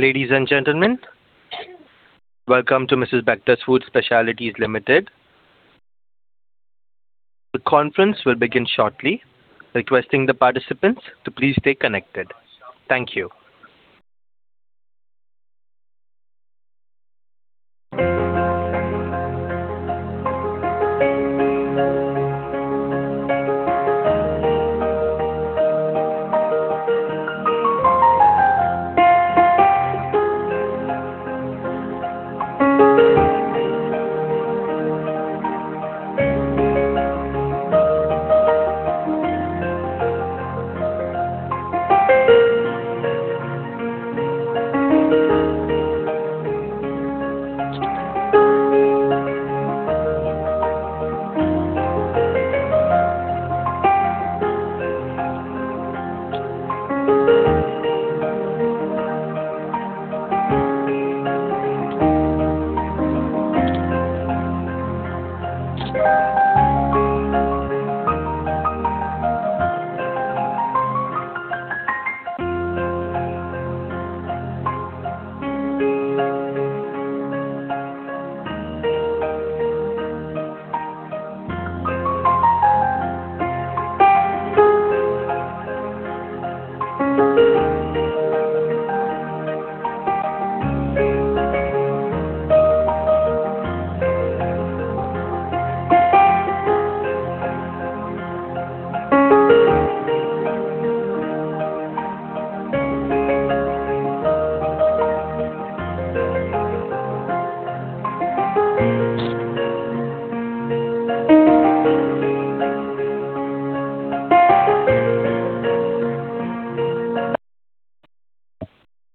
Thank you.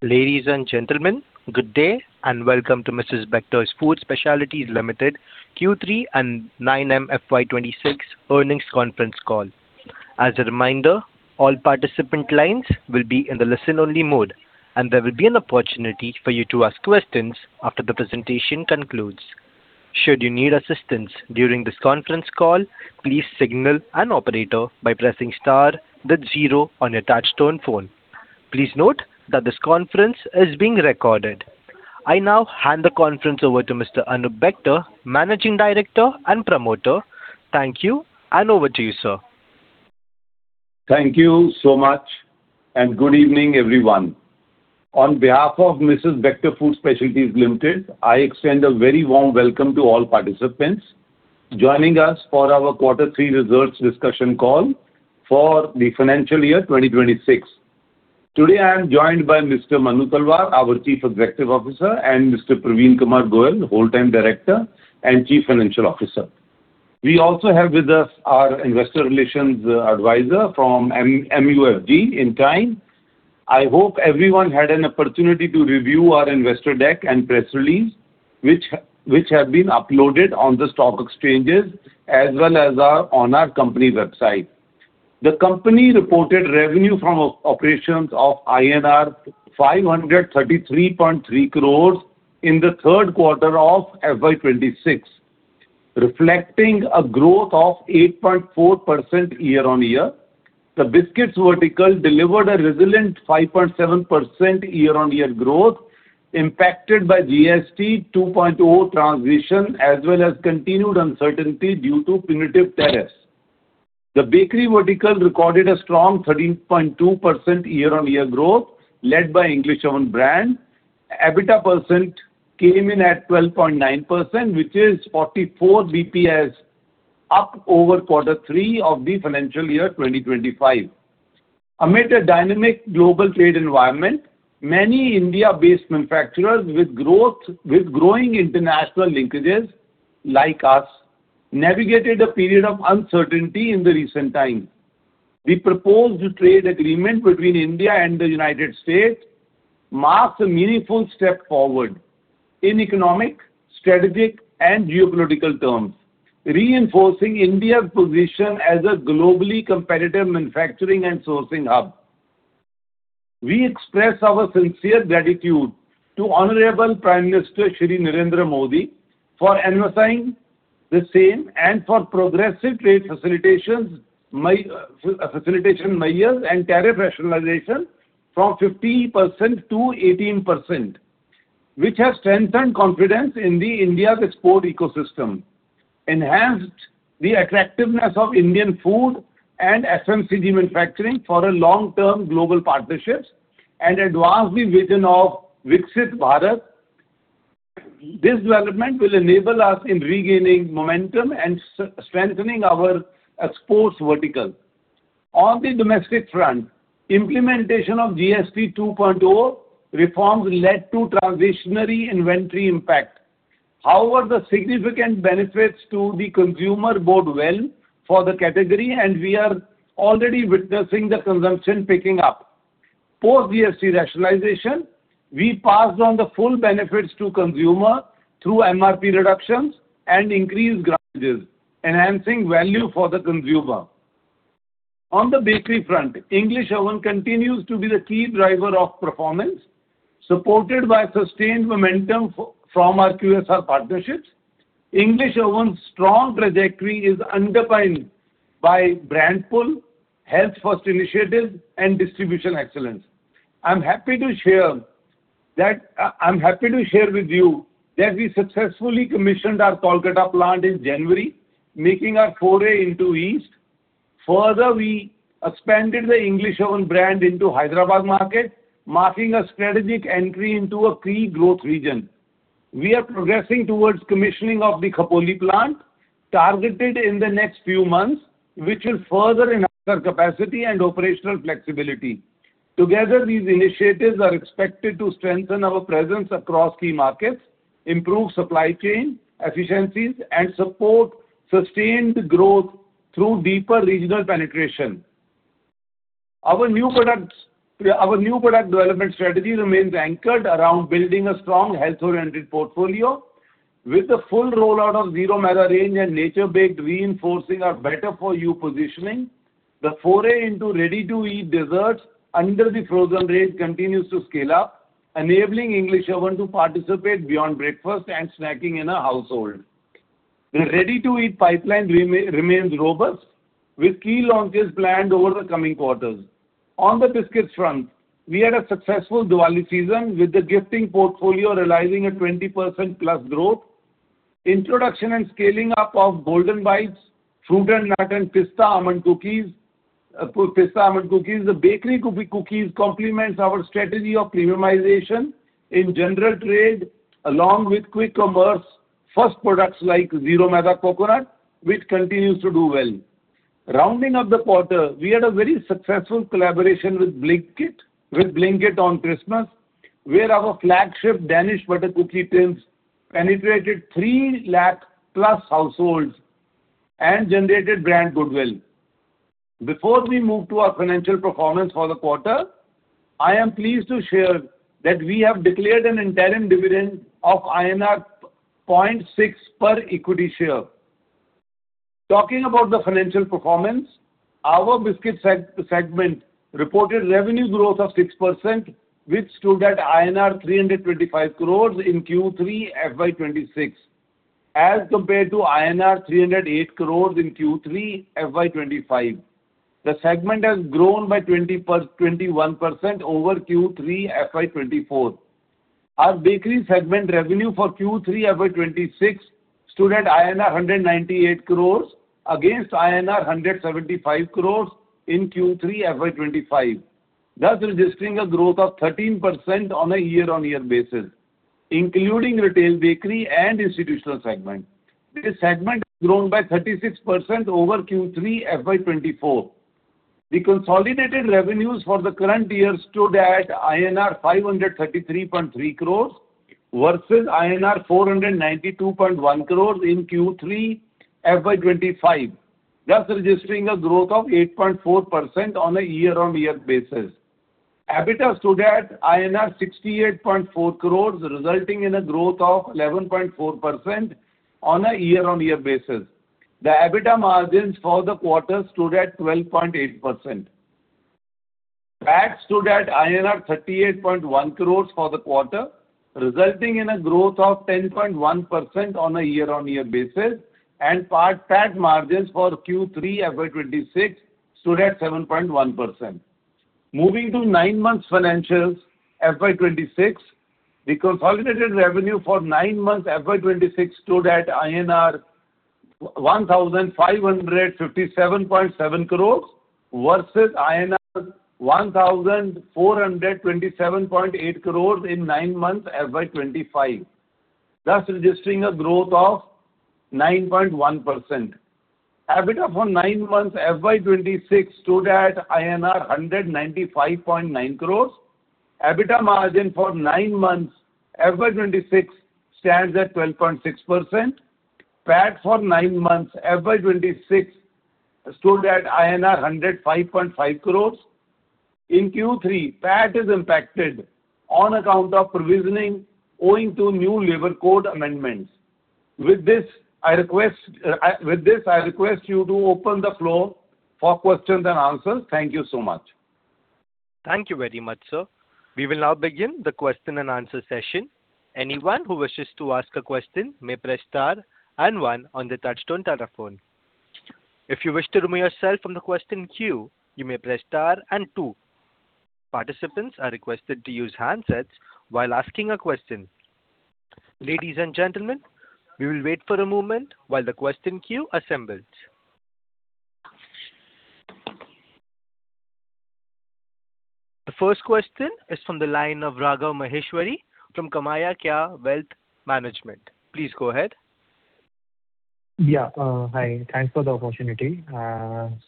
Ladies and gentlemen, good day, and welcome to Mrs. Bectors Food Specialities Limited Q3 and nine M FY 2026 earnings conference call. As a reminder, all participant lines will be in the listen-only mode, and there will be an opportunity for you to ask questions after the presentation concludes. Should you need assistance during this conference call, please signal an operator by pressing star then 0 on your touch-tone phone. Please note that this conference is being recorded. I now hand the conference over to Mr. Anoop Bector, Managing Director and Promoter. Thank you, and over to you, sir. Thank you so much, and good evening, everyone. On behalf of Mrs. Bectors Food Specialities Limited, I extend a very warm welcome to all participants joining us for our Quarter Three Results Discussion Call for the financial year 2026. Today, I am joined by Mr. Manu Talwar, our Chief Executive Officer, and Mr. Parveen Kumar Goel, Whole Time Director and Chief Financial Officer. We also have with us our Investor Relations Advisor from MUFG in kind. I hope everyone had an opportunity to review our investor deck and press release, which have been uploaded on the stock exchanges as well as on our company website. The company reported revenue from operations of INR 533.3 crores in the third quarter of FY 2026, reflecting a growth of 8.4% year-on-year. The biscuits vertical delivered a resilient 5.7% year-on-year growth, impacted by GST 2.0 transition, as well as continued uncertainty due to prohibitive tariffs. The bakery vertical recorded a strong 13.2% year-on-year growth, led by English Oven brand. EBITDA percent came in at 12.9%, which is 44 basis points up over quarter three of the financial year 2025. Amid a dynamic global trade environment, many India-based manufacturers with growing international linkages, like us, navigated a period of uncertainty in recent times. The proposed trade agreement between India and the United States marks a meaningful step forward in economic, strategic, and geopolitical terms, reinforcing India's position as a globally competitive manufacturing and sourcing hub. We express our sincere gratitude to Honorable Prime Minister Shri Narendra Modi for emphasizing the same and for progressive trade facilitation measures and tariff rationalization from 15%-18%, which has strengthened confidence in India's export ecosystem, enhanced the attractiveness of Indian food and FMCG manufacturing for long-term global partnerships, and advanced the vision of Viksit Bharat. This development will enable us in regaining momentum and strengthening our exports vertical. On the domestic front, implementation of GST 2.0 reforms led to transitory inventory impact. However, the significant benefits to the consumer bode well for the category, and we are already witnessing the consumption picking up. Post GST rationalization, we passed on the full benefits to consumer through MRP reductions and increased grammage, enhancing value for the consumer. On the bakery front, English Oven continues to be the key driver of performance, supported by sustained momentum from our QSR partnerships.... English Oven's strong trajectory is underpinned by brand pull, health-first initiatives, and distribution excellence. I'm happy to share that, I'm happy to share with you that we successfully commissioned our Kolkata plant in January, making our foray into east. Further, we expanded the English Oven brand into Hyderabad market, marking a strategic entry into a key growth region. We are progressing towards commissioning of the Khopoli plant, targeted in the next few months, which will further enhance our capacity and operational flexibility. Together, these initiatives are expected to strengthen our presence across key markets, improve supply chain efficiencies, and support sustained growth through deeper regional penetration. Our new products, our new product development strategy remains anchored around building a strong health-oriented portfolio, with the full rollout of Zero Maida range and NaturBaked, reinforcing our better-for-you positioning. The foray into ready-to-eat desserts under the frozen range continues to scale up, enabling English Oven to participate beyond breakfast and snacking in a household. The ready-to-eat pipeline remains robust, with key launches planned over the coming quarters. On the biscuits front, we had a successful Diwali season, with the gifting portfolio realizing a 20%+ growth. Introduction and scaling up of Golden Bites, fruit and nut, and pista almond cookies, pista almond cookies, the bakery cookies complements our strategy of premiumization in general trade, along with quick commerce. First, products like Zero Maida Coconut, which continues to do well. Rounding up the quarter, we had a very successful collaboration with Blinkit, with Blinkit on Christmas, where our flagship Danish Butter Cookies tins penetrated 300,000+ households and generated brand goodwill. Before we move to our financial performance for the quarter, I am pleased to share that we have declared an interim dividend of INR 0.6 per equity share. Talking about the financial performance, our biscuits segment reported revenue growth of 6%, which stood at INR 325 crore in Q3 FY 2026, as compared to INR 308 crore in Q3 FY 2025. The segment has grown by 21% over Q3 FY 2024. Our bakery segment revenue for Q3 FY 2026 stood at INR 198 crores, against INR 175 crores in Q3 FY 2025, thus registering a growth of 13% on a year-on-year basis, including retail, bakery and institutional segment. This segment grown by 36% over Q3 FY 2024. The consolidated revenues for the current year stood at INR 533.3 crores, versus INR 492.1 crores in Q3 FY 2025, thus registering a growth of 8.4% on a year-on-year basis. EBITDA stood at INR 68.4 crores, resulting in a growth of 11.4% on a year-on-year basis. The EBITDA margins for the quarter stood at 12.8%. PAT stood at INR 38.1 crores for the quarter, resulting in a growth of 10.1% on a year-on-year basis, and PAT, PAT margins for Q3 FY 2026 stood at 7.1%. Moving to nine months financials FY 2026, the consolidated revenue for nine months FY 2026 stood at INR 1,557.7 crores, versus INR 1,427.8 crores in nine months FY 2025, thus registering a growth of 9.1%. EBITDA for nine months FY 2026 stood at INR 195.9 crores. EBITDA margin for nine months FY 2026 stands at 12.6%. PAT for nine months FY 2026 stood at INR 105.5 crores. In Q3, PAT is impacted on account of provisioning owing to new labor code amendments. With this, I request you to open the floor for questions and answers. Thank you so much. Thank you very much, sir. We will now begin the question and answer session. Anyone who wishes to ask a question may press star and one on the touch-tone telephone. If you wish to remove yourself from the question queue, you may press star and two. Participants are requested to use handsets while asking a question. Ladies and gentlemen, we will wait for a moment while the question queue assembles. The first question is from the line of Raghav Maheshwari from Kamaya Kya Wealth Management. Please go ahead. Yeah, hi. Thanks for the opportunity.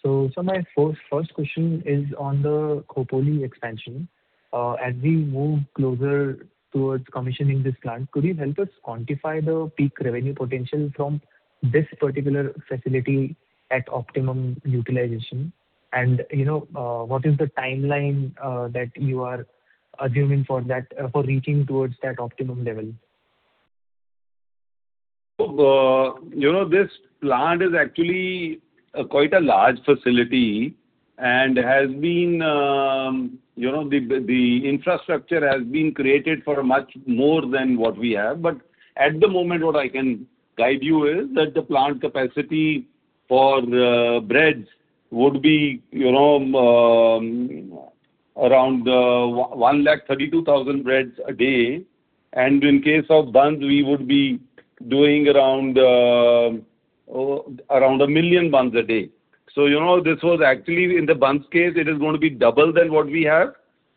So my first question is on the Khopoli expansion. As we move closer towards commissioning this plant, could you help us quantify the peak revenue potential from this particular facility at optimum utilization? And, you know, what is the timeline that you are assuming for that, for reaching towards that optimum level? You know, this plant is actually quite a large facility.... and has been, you know, the infrastructure has been created for much more than what we have. But at the moment, what I can guide you is that the plant capacity for the breads would be, you know, around 132,000 breads a day, and in case of buns, we would be doing around a million buns a day. So, you know, this was actually in the buns case, it is going to be double than what we have.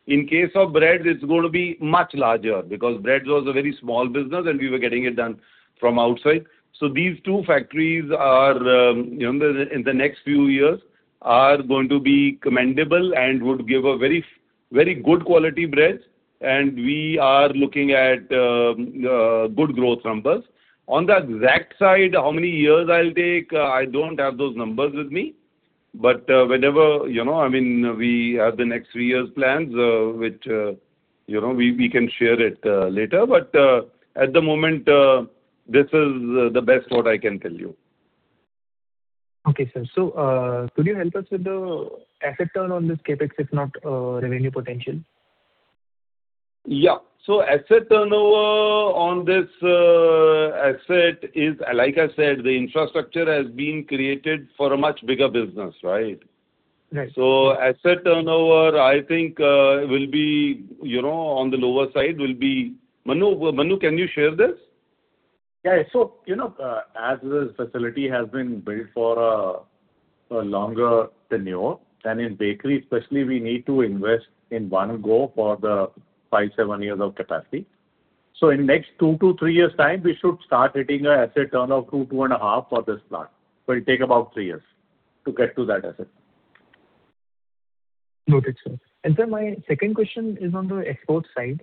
In case of bread, it's going to be much larger, because bread was a very small business, and we were getting it done from outside. So these two factories are, you know, in the next few years, are going to be commendable and would give a very, very good quality bread, and we are looking at good growth numbers. On the export side, how many years it'll take, I don't have those numbers with me, but whenever, you know, I mean, we have the next three years plans, which, you know, we can share it later. But at the moment, this is the best what I can tell you. Okay, sir. So, could you help us with the asset turn on this CapEx, if not, revenue potential? Yeah. So asset turnover on this asset is, like I said, the infrastructure has been created for a much bigger business, right? Right. Asset turnover, I think, will be, you know, on the lower side, will be... Manu, Manu, can you share this? Yeah. So, you know, as the facility has been built for a longer tenure, and in bakery especially, we need to invest in one go for the five-seven years of capacity. So in next two to three years' time, we should start hitting an asset turnover of 2-2.5 for this plant. But it take about three years to get to that asset. Noted, sir. And, sir, my second question is on the export side,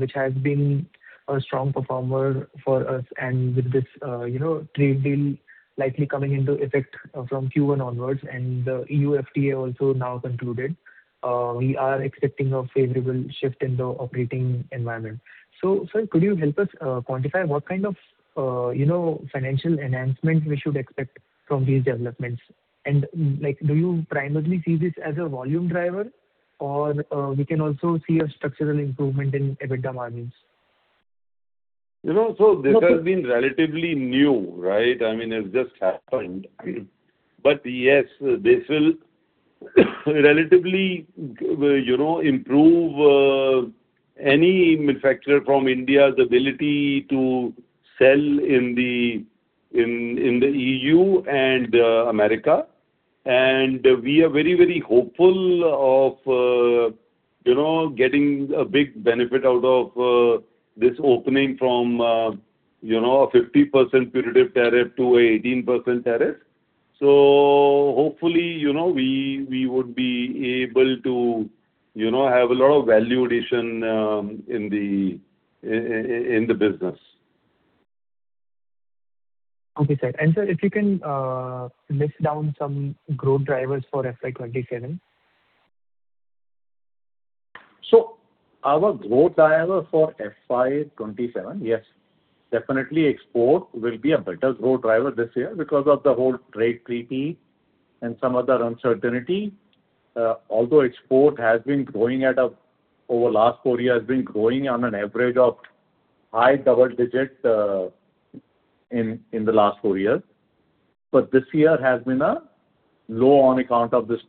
which has been a strong performer for us, and with this, you know, trade deal likely coming into effect from Q1 onwards, and the EU FTA also now concluded, we are expecting a favorable shift in the operating environment. So, sir, could you help us quantify what kind of, you know, financial enhancement we should expect from these developments? And, like, do you primarily see this as a volume driver, or we can also see a structural improvement in EBITDA margins? You know, so this has been relatively new, right? I mean, it's just happened. But yes, this will relatively, you know, improve any manufacturer from India's ability to sell in the EU and America. And we are very, very hopeful of, you know, getting a big benefit out of this opening from, you know, a 50% punitive tariff to a 18% tariff. So hopefully, you know, we would be able to, you know, have a lot of value addition in the business. Okay, sir. Sir, if you can, list down some growth drivers for FY 2027. So our growth driver for FY 2027, yes, definitely export will be a better growth driver this year because of the whole trade treaty and some other uncertainty. Although export has been growing over last four years, been growing on an average of high double digits in the last four years. But this year has been low on account of this,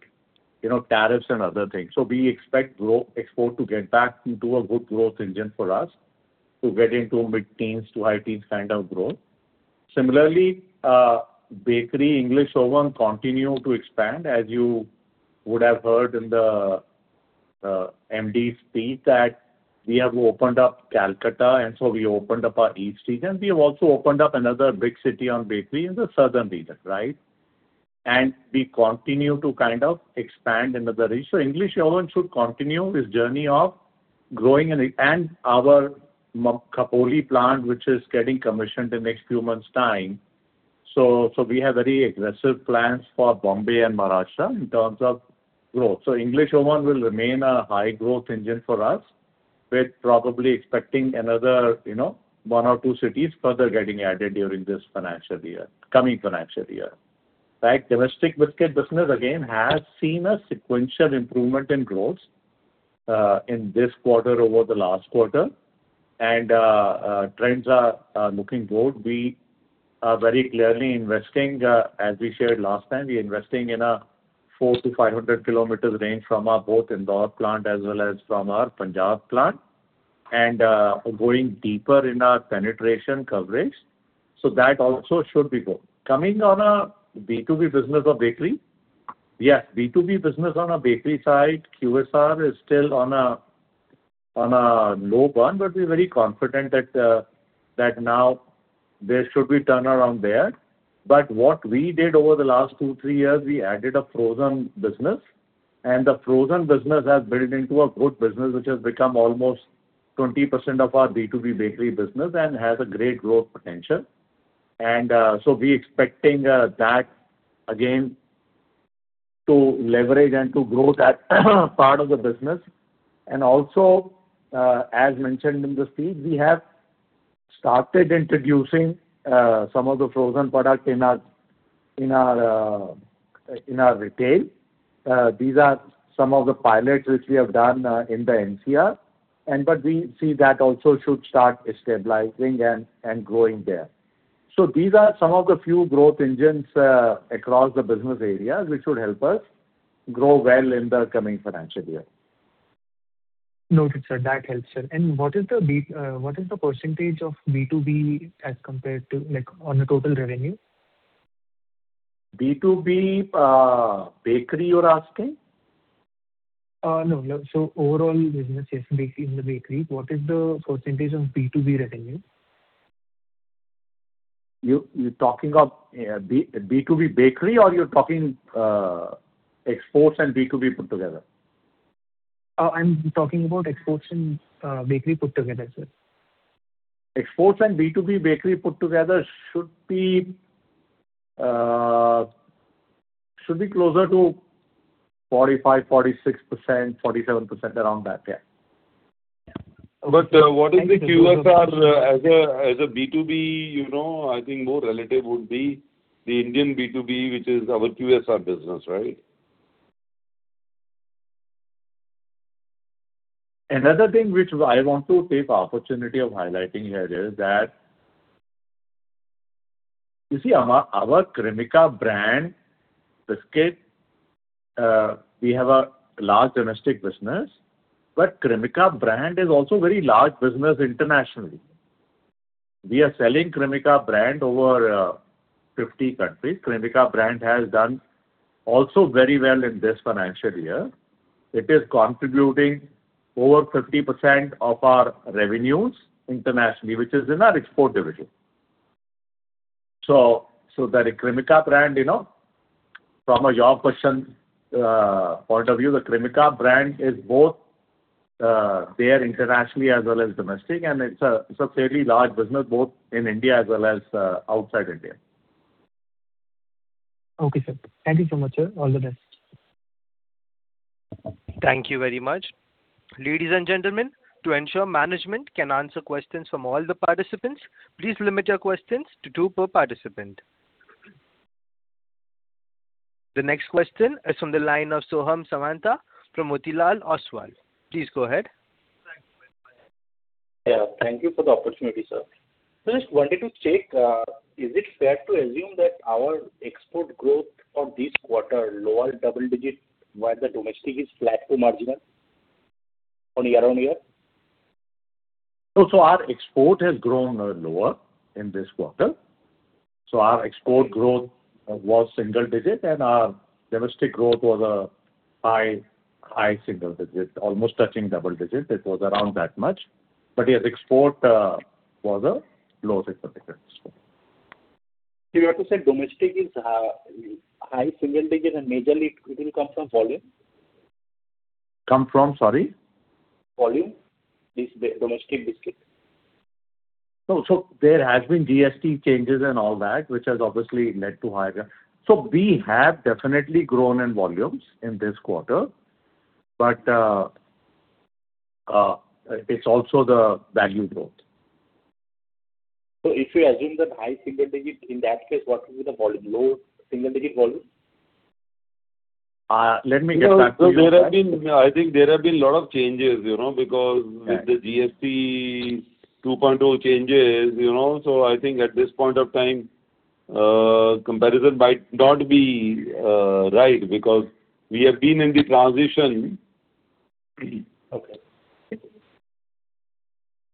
you know, tariffs and other things. So we expect export to get back into a good growth engine for us, to get into mid-teens to high teens kind of growth. Similarly, bakery, English Oven, continue to expand, as you would have heard in the MD's speech, that we have opened up Kolkata, and so we opened up our east region. We have also opened up another big city on bakery in the southern region, right? We continue to kind of expand into the region. So English Oven should continue this journey of growing and our Khopoli plant, which is getting commissioned in next few months' time. So we have very aggressive plans for Mumbai and Maharashtra in terms of growth. So English Oven will remain a high growth engine for us. We're probably expecting another, you know, one or two cities further getting added during this financial year, coming financial year, right? Domestic biscuit business, again, has seen a sequential improvement in growth in this quarter over the last quarter, and trends are looking good. We are very clearly investing, as we shared last time, we are investing in a 400 km-500 km range from our both Indore plant as well as from our Punjab plant, and going deeper in our penetration coverage. So that also should be good. Coming on a B2B business of bakery. Yes, B2B business on a bakery side, QSR is still on a low burn, but we're very confident that now there should be turnaround there. But what we did over the last two-three years, we added a frozen business, and the frozen business has built into a good business, which has become almost 20% of our B2B bakery business and has a great growth potential. And so we expecting that again, to leverage and to grow that part of the business. And also, as mentioned in the speech, we have started introducing some of the frozen product in our retail. These are some of the pilots which we have done in the NCR, and but we see that also should start stabilizing and growing there. So these are some of the few growth engines across the business areas, which should help us grow well in the coming financial year. Noted, sir. That helps, sir. What is the percentage of B2B as compared to, like, on the total revenue? B2B, bakery, you're asking? No. So overall business in B2C, in the bakery, what is the percentage of B2B revenue? You, you're talking of, B2B bakery or you're talking, exports and B2B put together? I'm talking about exports and bakery put together, sir. Exports and B2B bakery put together should be closer to 45%, 46%, 47%, around that, yeah. What is the QSR as a, as a B2B, you know, I think more relevant would be the Indian B2B, which is our QSR business, right? Another thing which I want to take the opportunity of highlighting here is that, you see, our, our Cremica brand biscuit, we have a large domestic business, but Cremica brand is also very large business internationally. We are selling Cremica brand over 50 countries. Cremica brand has done also very well in this financial year. It is contributing over 50% of our revenues internationally, which is in our export division. So, so the Cremica brand, you know, from a your question point of view, the Cremica brand is both there internationally as well as domestic, and it's a, it's a fairly large business, both in India as well as outside India. Okay, sir. Thank you so much, sir. All the best. Thank you very much. Ladies and gentlemen, to ensure management can answer questions from all the participants, please limit your questions to two per participant. The next question is from the line of Soham Samanta from Motilal Oswal. Please go ahead. Yeah. Thank you for the opportunity, sir. So I just wanted to check, is it fair to assume that our export growth for this quarter, lower double digit, while the domestic is flat to marginal on year-on-year? So our export has grown lower in this quarter. So our export growth was single digit, and our domestic growth was a high, high single digit, almost touching double digit. It was around that much. But, yes, export was a low single digit. You have to say domestic is, high single digit, and majorly it will come from volume? Come from, sorry? Volume, this domestic biscuit. So there has been GST changes and all that, which has obviously led to higher... So we have definitely grown in volumes in this quarter, but, it's also the value growth. If you assume that high single digit, in that case, what will be the volume? Low single digit volume? Let me get back to you. I think there have been a lot of changes, you know, because Yeah. With the GST 2.0 changes, you know. So I think at this point of time, comparison might not be right, because we have been in the transition. Okay.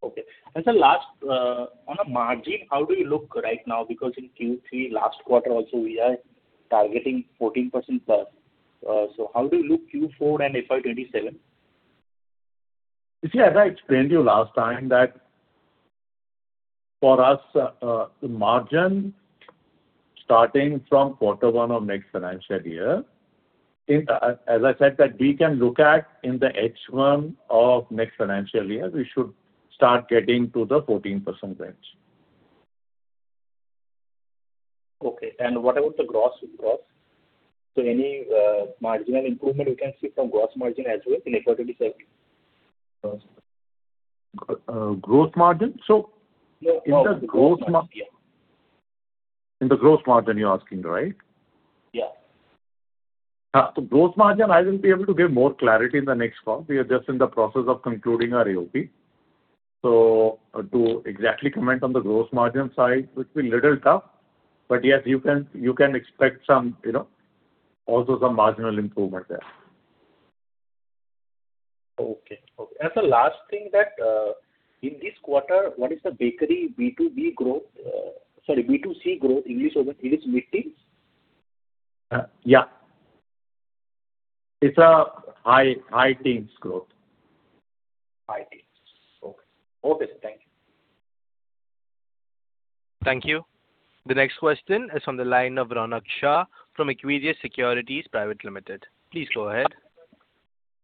Okay. And so last, on a margin, how do you look right now? Because in Q3, last quarter also, we are targeting 14%+. So how do you look Q4 and FY 2027? You see, as I explained to you last time, that for us, margin starting from quarter one of next financial year, is, as I said, that we can look at in the H1 of next financial year, we should start getting to the 14% range. Okay. What about the gross margin? Any marginal improvement we can see from gross margin as well in FY 2027? Gross margin? Yeah, gross. In the gross mar- Yeah. In the gross margin, you're asking, right? Yeah. So, gross margin, I will be able to give more clarity in the next call. We are just in the process of concluding our AOP. So to exactly comment on the gross margin side, would be little tough, but yes, you can, you can expect some, you know, also some marginal improvement there. Okay. Okay. And the last thing that, in this quarter, what is the bakery B2B growth, sorry, B2C growth in this quarter, it is mid-teens? Yeah. It's a high, high teens growth. High teens. Okay. Okay, thank you. Thank you. The next question is on the line of Ronak Shah from Equirus Securities Private Limited. Please go ahead.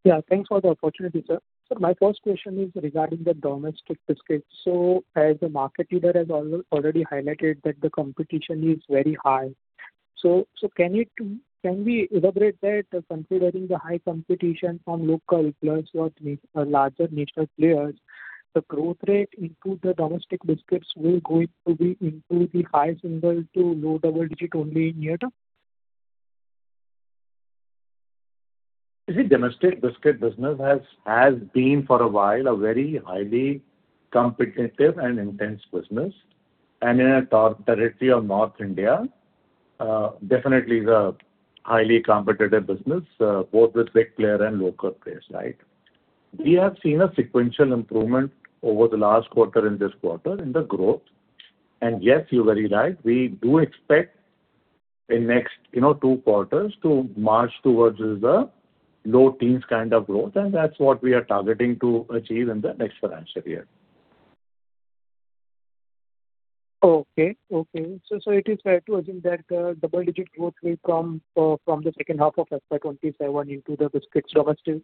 Yeah, thanks for the opportunity, sir. So my first question is regarding the domestic biscuits. So as the market leader has already highlighted that the competition is very high. So, so can you, can we elaborate that considering the high competition from local players or larger national players, the growth rate into the domestic biscuits will going to be into the high single to low double digit only in near term? You see, domestic biscuit business has been for a while a very highly competitive and intense business. And in our territory of North India, definitely is a highly competitive business, both with big player and local players, right? We have seen a sequential improvement over the last quarter and this quarter in the growth. And yes, you're very right, we do expect in next, you know, two quarters to march towards the low teens kind of growth, and that's what we are targeting to achieve in the next financial year. So, it is fair to assume that double-digit growth will come from the second half of FY 2027 into the biscuits, domestic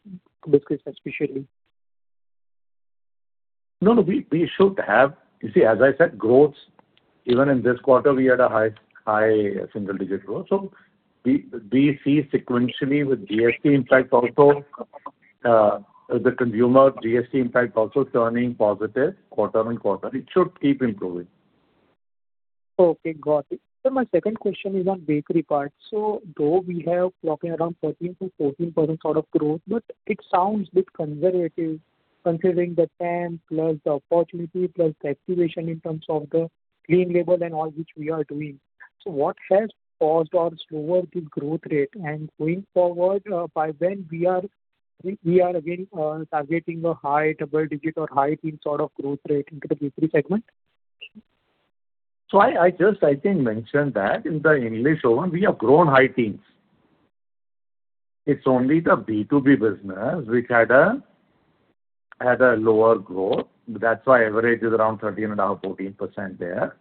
biscuits, especially? No, no, we should have... You see, as I said, growth, even in this quarter, we had a high, high single-digit growth. So we see sequentially with GST impact also, the consumer GST impact also turning positive quarter on quarter. It should keep improving. Okay, got it. Sir, my second question is on bakery part. So though we have clocking around 13%-14% sort of growth, but it sounds bit conservative considering the trend, plus the opportunity, plus the activation in terms of the clean label and all which we are doing. So what has caused our slower the growth rate? And going forward, by when we are we are again targeting a high double digit or high teen sort of growth rate into the bakery segment? So, I just mentioned that in the English Oven, we have grown high teens. It's only the B2B business which had a lower growth. That's why average is around 13.5%, 14% there.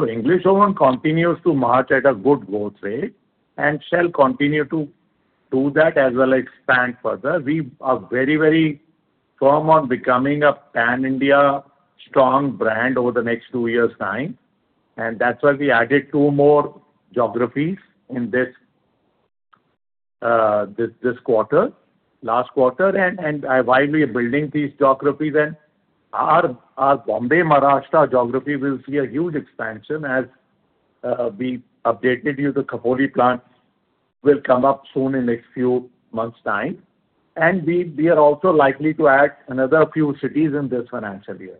So English Oven continues to march at a good growth rate and shall continue to do that as well as expand further. We are very, very firm on becoming a pan-India strong brand over the next two years' time, and that's why we added two more geographies in this quarter, last quarter. And while we are building these geographies and our Mumbai, Maharashtra geography will see a huge expansion as we updated you, the Khopoli plant will come up soon in next few months' time. And we are also likely to add another few cities in this financial year.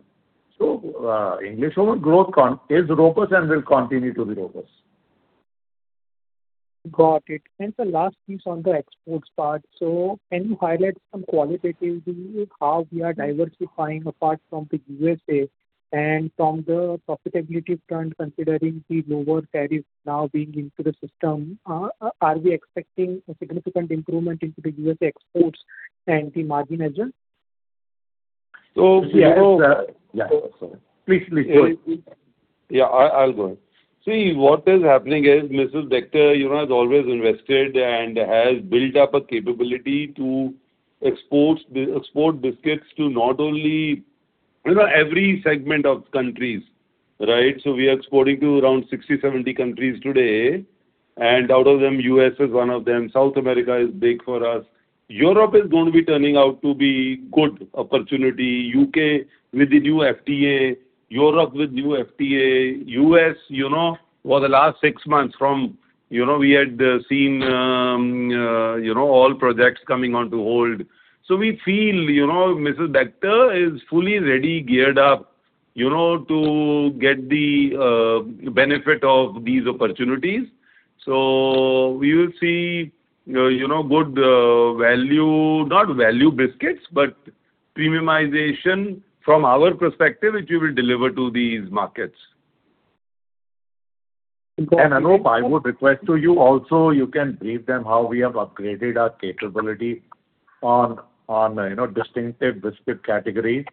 English Oven growth is robust and will continue to be robust. Got it. The last piece on the exports part. Can you highlight some qualitatively how we are diversifying apart from the USA? And from the profitability front, considering the lower tariffs now being into the system, are we expecting a significant improvement into the USA exports and the margin as well? So, you know- Yes, yeah. Sorry. Please, please, go ahead. Yeah, I'll go ahead. See, what is happening is Mrs. Bectors, you know, has always invested and has built up a capability to export export biscuits to not only, you know, every segment of countries, right? So we are exporting to around 60, 70 countries today, and out of them, U.S. is one of them. South America is big for us. Europe is going to be turning out to be good opportunity. U.K. with the new FTA, Europe with new FTA, U.S., you know, for the last six months from, you know, we had seen, you know, all projects coming on to hold. So we feel, you know, Mrs. Bectors is fully ready, geared up, you know, to get the benefit of these opportunities. We will see, you know, good value, not value biscuits, but premiumization from our perspective, which we will deliver to these markets. Got it. Anoop, I would request to you also, you can brief them how we have upgraded our capability on you know, distinctive biscuit categories-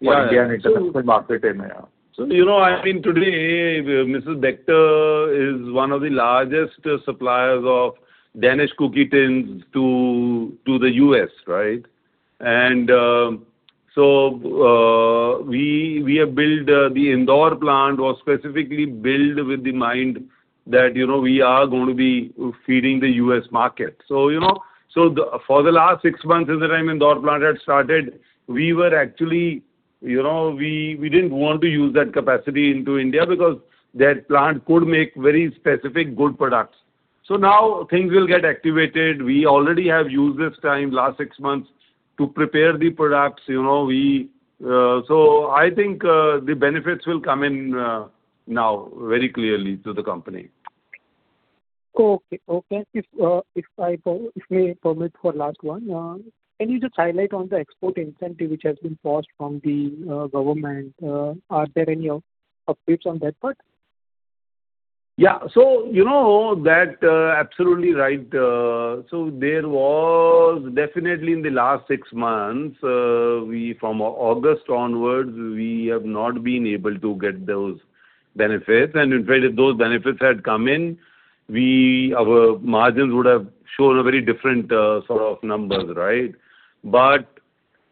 Yeah. In the international market in there. So, you know, I mean, today, Mrs. Bectors is one of the largest suppliers of Danish cookie tins to, to the U.S., right? And, so, we, we have built, the Indore plant was specifically built with the mind that, you know, we are going to be feeding the U.S. market. So, you know, so the, for the last six months since the time Indore plant had started, we were actually, you know, we, we didn't want to use that capacity into India because that plant could make very specific good products. So now things will get activated. We already have used this time, last six months, to prepare the products, you know, so I think, the benefits will come in, now very clearly to the company. Okay. Okay. If we permit for last one, can you just highlight on the export incentive, which has been paused from the government? Are there any updates on that part? Yeah. So, you know that, absolutely right. So there was definitely in the last six months, we from August onwards, we have not been able to get those benefits. And in fact, if those benefits had come in, we, our margins would have shown a very different, sort of numbers, right? But- ...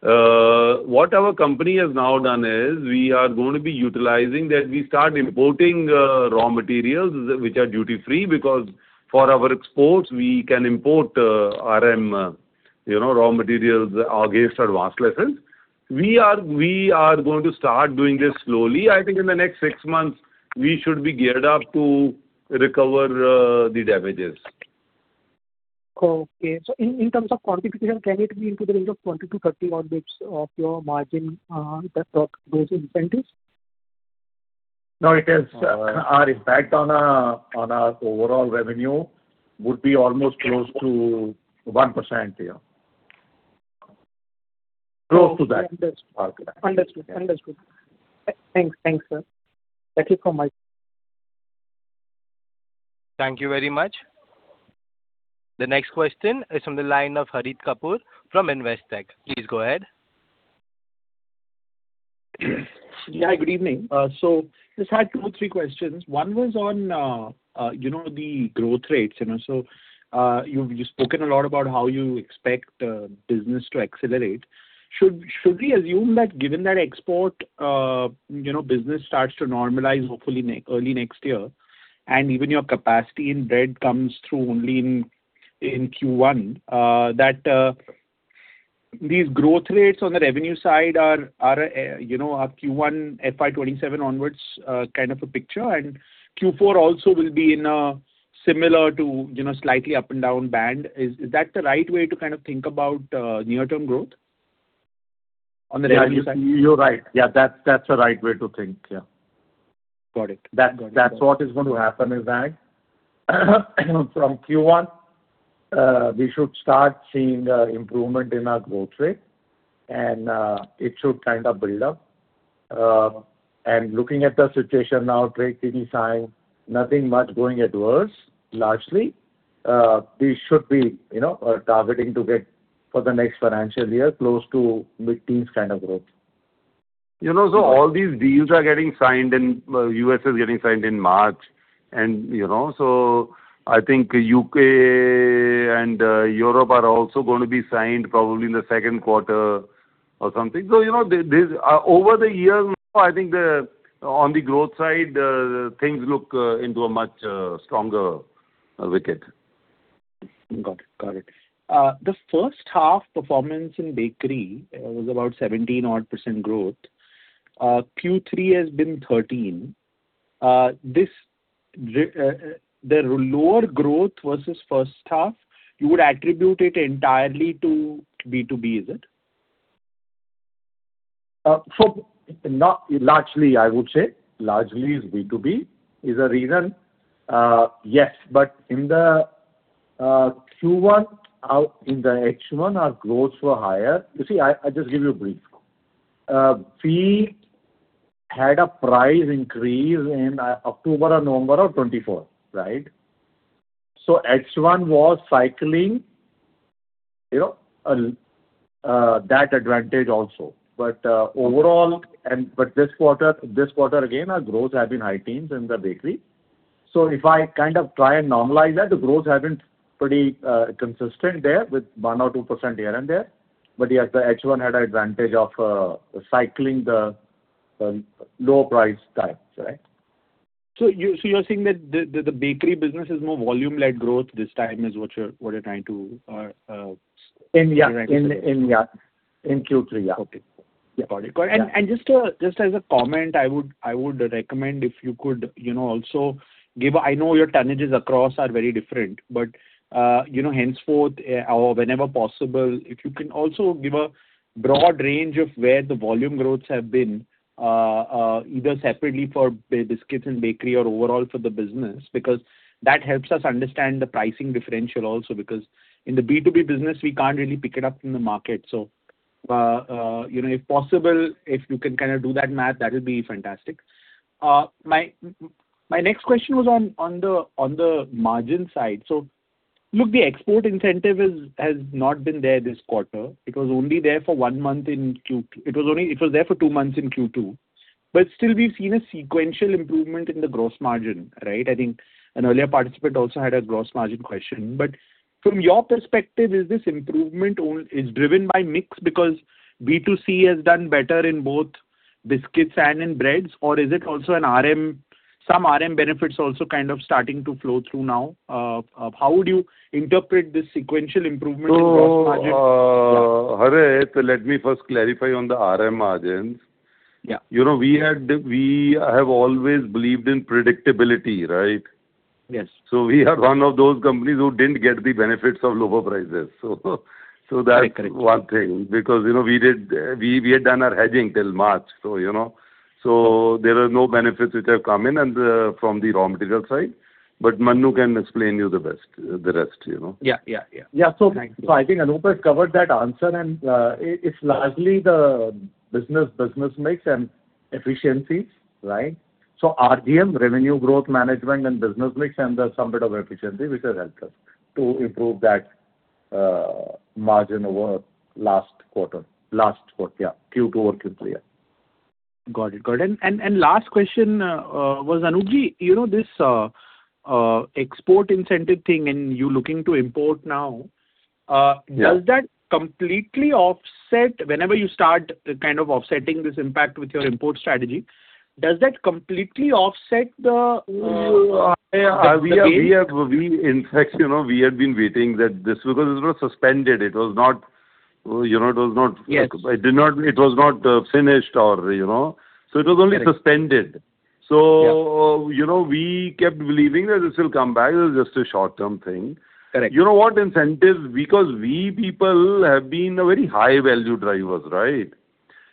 what our company has now done is, we are going to be utilizing, that we start importing, raw materials which are duty-free, because for our exports, we can import, RM, you know, raw materials against advance license. We are, we are going to start doing this slowly. I think in the next six months, we should be geared up to recover, the damages. Okay. So in terms of quantification, can it be into the range of 20-30-odd bits of your margin that goes in incentives? No, it is our impact on our overall revenue would be almost close to 1%, yeah. Close to that. Understood. Understood. Thanks. Thanks, sir. That is all my- Thank you very much. The next question is from the line of Harit Kapoor from Investec. Please go ahead. Yeah, good evening. So just had two or three questions. One was on, you know, the growth rates, you know, so, you've spoken a lot about how you expect the business to accelerate. Should we assume that given that export, you know, business starts to normalize hopefully next—early next year, and even your capacity in bread comes through only in Q1, that these growth rates on the revenue side are, you know, a Q1 FY 2027 onwards, kind of a picture, and Q4 also will be in a similar to, you know, slightly up and down band? Is that the right way to kind of think about, near-term growth on the revenue side? Yeah, you, you're right. Yeah, that's, that's the right way to think, yeah. Got it. That, that's what is going to happen, is that from Q1, we should start seeing, improvement in our growth rate, and, it should kind of build up. And looking at the situation now, trade is a sign, nothing much going adverse, largely. We should be, you know, targeting to get for the next financial year, close to mid-teens kind of growth. You know, so all these deals are getting signed in, U.S. is getting signed in March, and, you know, so I think U.K. and, Europe are also going to be signed probably in the second quarter or something. So, you know, the, these, over the years now, I think the, on the growth side, things look, into a much, stronger, wicket. Got it. Got it. The first half performance in bakery was about 17 odd % growth. Q3 has been 13%. The lower growth versus first half, you would attribute it entirely to B2B, is it? So not largely, I would say, largely is B2B, is a reason. Yes, but in the Q1, out in the H1, our growth were higher. You see, I just give you a brief. We had a price increase in October or November of 2024, right? So H1 was cycling, you know, that advantage also. But overall, and but this quarter, this quarter, again, our growth have been high teens in the bakery. So if I kind of try and normalize that, the growth has been pretty consistent there, with 1% or 2% here and there. But yes, the H1 had an advantage of cycling the low price times, right? So you're saying that the bakery business is more volume-led growth this time, is what you're trying to— In Q3, yeah. Okay. Got it. Yeah. Just as a comment, I would recommend if you could, you know, also give... I know your tonnages across are very different, but, you know, henceforth, or whenever possible, if you can also give a broad range of where the volume growths have been, either separately for biscuits and bakery or overall for the business, because that helps us understand the pricing differential also, because in the B2B business, we can't really pick it up from the market. So, you know, if possible, if you can kind of do that math, that would be fantastic. My next question was on the margin side. So look, the export incentive is, has not been there this quarter. It was only there for one month in Q... It was there for two months in Q2. But still, we've seen a sequential improvement in the gross margin, right? I think an earlier participant also had a gross margin question. But from your perspective, is this improvement driven by mix because B2C has done better in both biscuits and in breads, or is it also an RM, some RM benefits also kind of starting to flow through now? How would you interpret this sequential improvement in gross margin? So, Harit, let me first clarify on the RM margins. Yeah. You know, we have always believed in predictability, right? Yes. So we are one of those companies who didn't get the benefits of lower prices. So that- Correct. One thing, because, you know, we did, we had done our hedging till March, so, you know. So there are no benefits which have come in and, from the raw material side, but Manu can explain you the best, the rest, you know. Yeah, yeah, yeah. Yeah. So- Thank you. So I think Anoop has covered that answer, and, it, it's largely the business, business mix and efficiencies, right? So RGM, Revenue Growth Management, and business mix, and there's some bit of efficiency which has helped us to improve that margin over last quarter. Last quarter, yeah, Q2 over Q3, yeah.... Got it, got it. And last question was Anuj, you know, this export incentive thing, and you're looking to import now, Yeah. Does that completely offset, whenever you start kind of offsetting this impact with your import strategy, does that completely offset the gain? We have, in fact, you know, we had been waiting that this, because it was suspended. It was not, you know, it was not- Yes. It was not finished or, you know, so it was only suspended. Correct. So- Yeah. You know, we kept believing that this will come back. This is just a short-term thing. Correct. You know what? Incentives, because we people have been a very high-value drivers, right?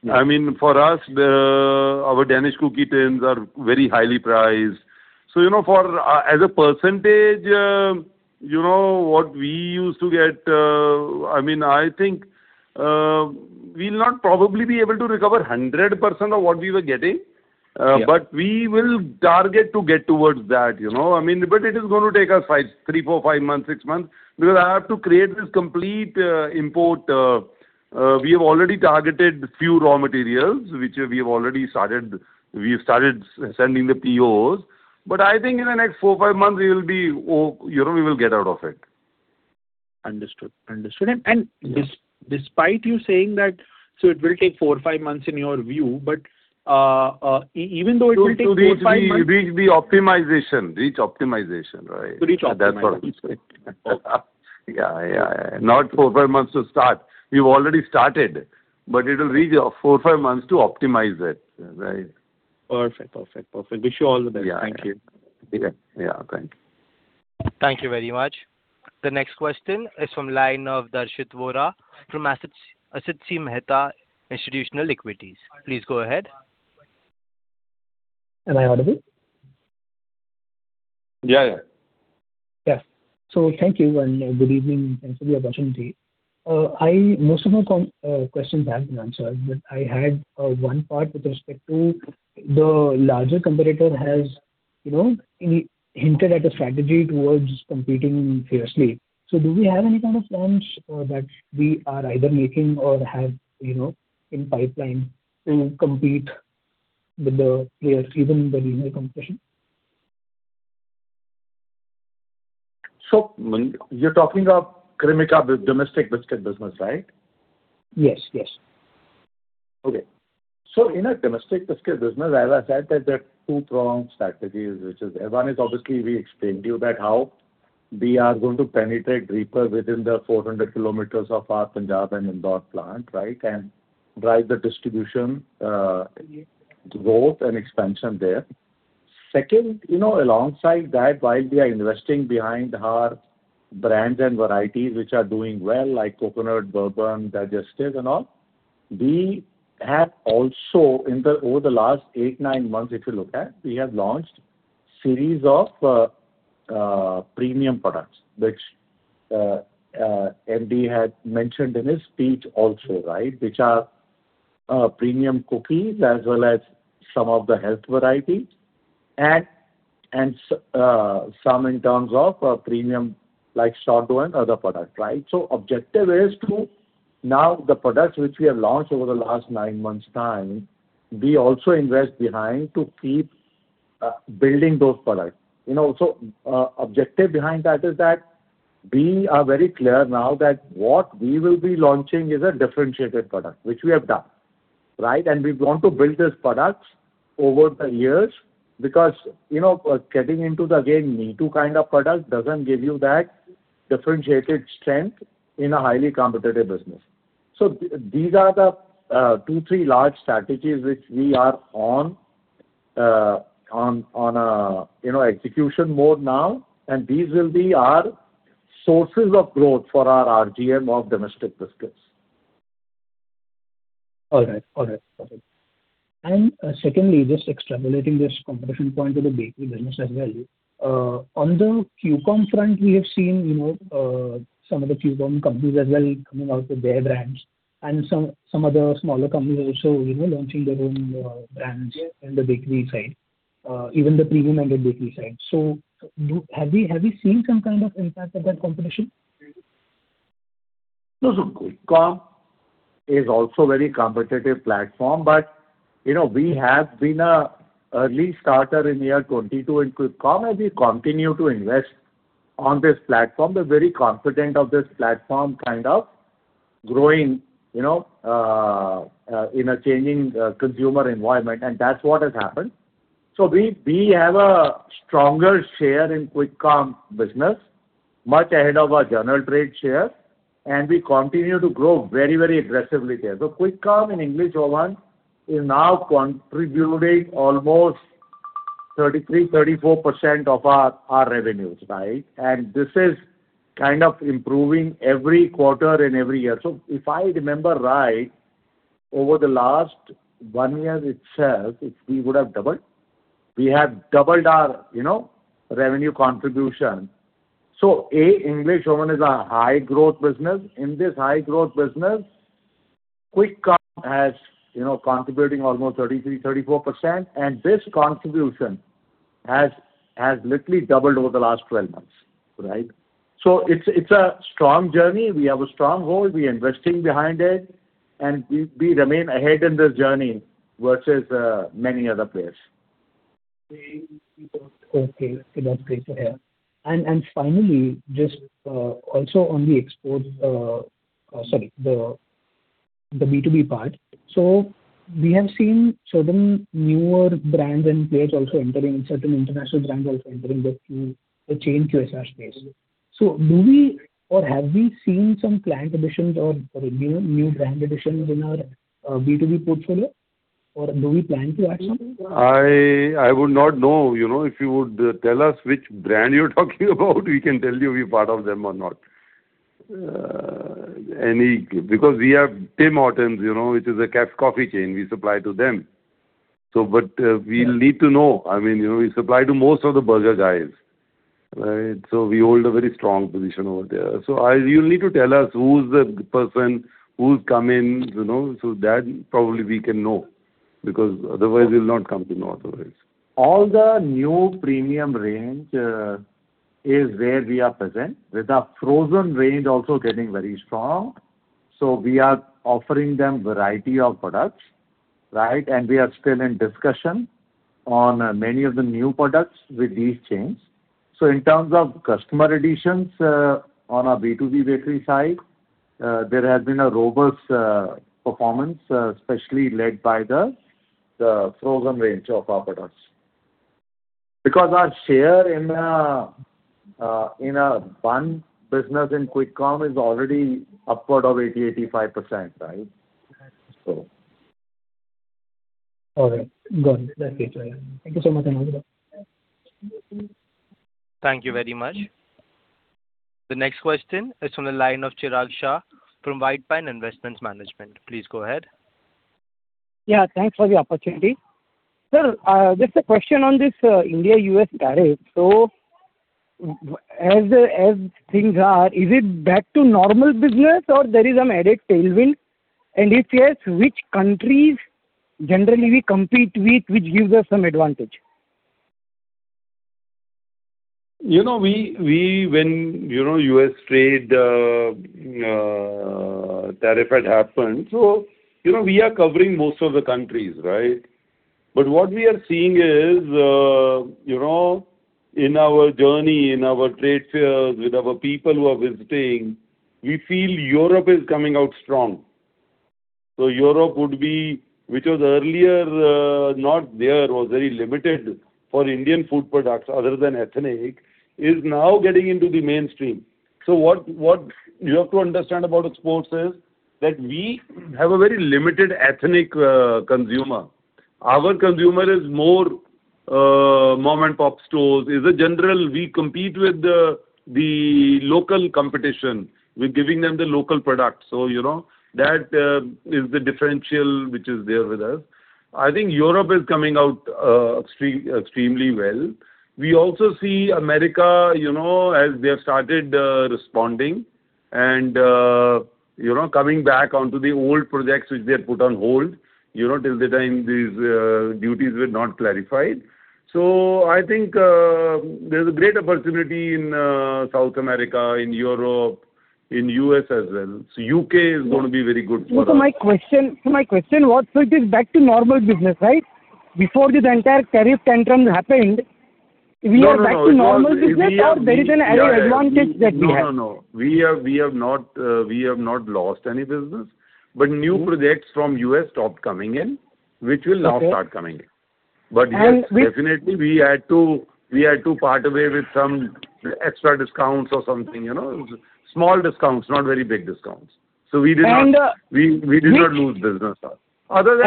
Yeah. I mean, for us, our Danish cookie tins are very highly prized. So, you know, for as a percentage, you know, what we used to get, I mean, I think, we'll not probably be able to recover 100% of what we were getting. Yeah. But we will target to get towards that, you know. I mean, but it is going to take us three, four, five, six months, because I have to create this complete import... We have already targeted few raw materials, which we have already started. We've started sending the POs. But I think in the next four, five months, we will be, oh, you know, we will get out of it. Understood. Understood. Yeah. Despite you saying that, so it will take four-five months in your view, but even though it will take four-five months To reach the optimization. Reach optimization, right? To reach optimization. That's what. Okay. Yeah, yeah, yeah. Not four-five months to start. We've already started, but it will reach four-five months to optimize it, right. Perfect. Perfect, perfect. Wish you all the best. Yeah. Thank you. Yeah. Yeah, thank you. Thank you very much. The next question is from line of Darshit Vora, from Axis, Axis Mehta Institutional Equities. Please go ahead. Am I audible? Yeah, yeah. Yeah. So thank you, and good evening, thanks for the opportunity. Most of my questions have been answered, but I had one part with respect to the larger competitor has, you know, hinted at a strategy towards competing fiercely. So do we have any kind of plans that we are either making or have, you know, in pipeline to compete with the players, even the linear competition? So you're talking of Cremica, the domestic biscuit business, right? Yes, yes. Okay. So in a domestic biscuit business, as I said, that there are two-prong strategies, which is one is obviously we explained to you that how we are going to penetrate deeper within the 400 km of our Punjab and Indore plant, right? And drive the distribution growth and expansion there. Second, you know, alongside that, while we are investing behind our brands and varieties, which are doing well, like Coconut, Bourbon, Digestives and all, we have also over the last eight-nine months, if you look at, we have launched series of premium products, which MD had mentioned in his speech also, right? Which are premium cookies, as well as some of the health varieties, and some in terms of premium, like short grain, other products, right? So objective is to now the products which we have launched over the last nine months' time, we also invest behind to keep, building those products. You know, so, objective behind that is that, we are very clear now that what we will be launching is a differentiated product, which we have done, right? And we want to build these products over the years, because, you know, getting into the, again, me-too kind of product doesn't give you that differentiated strength in a highly competitive business. So these are the, two, three large strategies which we are on, on, on a, you know, execution mode now, and these will be our sources of growth for our RGM of domestic biscuits. All right. All right, perfect. And secondly, just extrapolating this competition point to the bakery business as well. On the Qcom front, we have seen, you know, some of the Qcom companies as well coming out with their brands and some other smaller companies also, you know, launching their own, brands- Yeah. in the bakery side, even the premium and the bakery side. So have we, have we seen some kind of impact of that competition? No, so Qcom is also a very competitive platform, but, you know, we have been an early starter in year 2022 in Qcom, and we continue to invest on this platform. We're very confident of this platform kind of growing, you know, in a changing consumer environment, and that's what has happened. So we have a stronger share in Qcom business, much ahead of our general trade share, and we continue to grow very, very aggressively there. So Qcom in English Oven is now contributing almost 33%-34% of our revenues, right? And this is kind of improving every quarter and every year. So if I remember right, over the last one year itself, we would have doubled. We have doubled our, you know, revenue contribution. So, A, English Oven is a high-growth business. In this high-growth business, Qcom has, you know, contributing almost 33%-34%, and this contribution- ... has, has literally doubled over the last 12 months, right? So it's, it's a strong journey. We have a strong hold, we're investing behind it, and we, we remain ahead in this journey versus many other players. Okay. So that's great to hear. And finally, just also on the exports, sorry, the B2B part. So we have seen certain newer brands and players also entering, certain international brands also entering the chain QSR space. So do we or have we seen some client additions or, you know, new brand additions in our B2B portfolio? Or do we plan to add some? I would not know. You know, if you would tell us which brand you're talking about, we can tell you if we're part of them or not. Because we have Tim Hortons, you know, which is a cafe coffee chain, we supply to them. So but, we'll need to know. I mean, you know, we supply to most of the Burger Guys, right? So I... You'll need to tell us who's the person, who's come in, you know, so that probably we can know, because otherwise we'll not come to know otherwise. All the new premium range is where we are present, with our frozen range also getting very strong. So we are offering them variety of products, right? And we are still in discussion on many of the new products with these chains. So in terms of customer additions on our B2B bakery side there has been a robust performance especially led by the frozen range of our products. Because our share in a bun business in quick commerce is already upward of 80%-85%, right? So... All right. Got it. That's it. Thank you so much, Manu. Thank you very much. The next question is from the line of Chirag Shah from White Pine Investment Management. Please go ahead. Yeah, thanks for the opportunity. Sir, just a question on this India-U.S. tariff. So as things are, is it back to normal business or there is some added tailwind? And if yes, which countries generally we compete with, which gives us some advantage? You know, we when, you know, U.S. trade tariff had happened, so, you know, we are covering most of the countries, right? But what we are seeing is, you know, in our journey, in our trade fairs, with our people who are visiting, we feel Europe is coming out strong. So Europe would be, which was earlier, not there or very limited for Indian food products other than ethnic, is now getting into the mainstream. So what you have to understand about exports is that we have a very limited ethnic consumer. Our consumer is more mom-and-pop stores. As a general, we compete with the local competition. We're giving them the local product. So, you know, that is the differential which is there with us. I think Europe is coming out extremely well. We also see America, you know, as they have started, responding and, you know, coming back onto the old projects which they had put on hold, you know, till the time these, duties were not clarified. So I think, there's a great opportunity in, South America, in Europe, in U.S. as well. So U.K. is going to be very good for us. So my question was, it is back to normal business, right? Before this entire tariff tantrum happened, we are back to normal business- No, no, no. Or there is an added advantage that we have? No, no, no. We have, we have not lost any business, but new projects from U.S. stopped coming in, which will now start coming in. Okay. But, yes, definitely we had to, we had to part away with some extra discounts or something, you know. Small discounts, not very big discounts. So we did not- And, which- We did not lose business. Other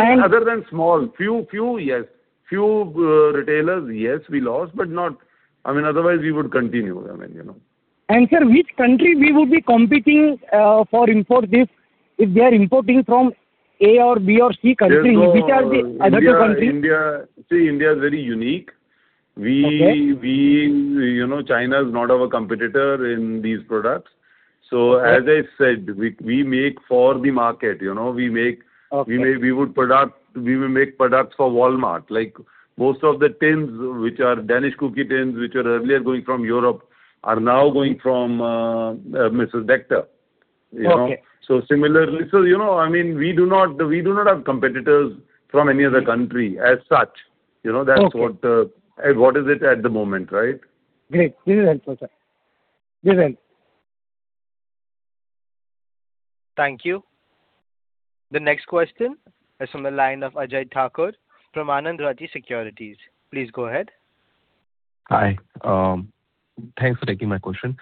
than small, few, yes. Few retailers, yes, we lost, but not... I mean, otherwise, we would continue, I mean, you know. Sir, which country we would be competing for import this, if they are importing from A or B or C country? Which are the other countries? India, see, India is very unique. Okay. We, you know, China is not our competitor in these products. Okay. As I said, we make for the market, you know. Okay. We will make products for Walmart. Like, most of the tins, which are Danish cookie tins, which are earlier going from Europe, are now going from Mrs. Bectors, you know. Okay. So similarly, so, you know, I mean, we do not, we do not have competitors from any other country as such. You know- Okay. That's what, what is it at the moment, right? Great. This is helpful, sir. This helps. Thank you. The next question is from the line of Ajay Thakur from Anand Rathi Securities. Please go ahead. Hi, thanks for taking my question.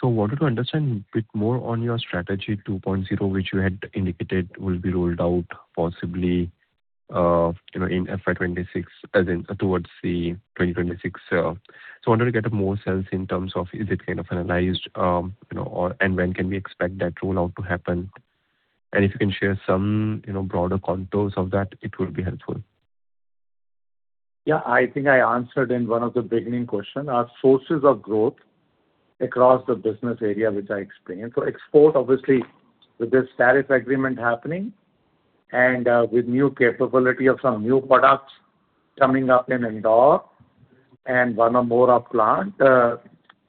So I wanted to understand a bit more on your strategy 2.0, which you had indicated will be rolled out possibly, you know, in FY 2026, as in towards the 2026. So I wanted to get a more sense in terms of is it kind of analyzed, you know, or and when can we expect that rollout to happen? And if you can share some, you know, broader contours of that, it will be helpful. Yeah, I think I answered in one of the beginning question. Our sources of growth across the business area, which I explained. So export, obviously, with this tariff agreement happening and, with new capability of some new products coming up in Indore and one or more of plant,